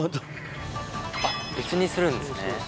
別にするんですね。